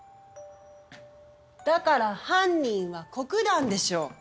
だから犯人は黒壇でしょう。